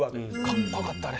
かっこよかったね。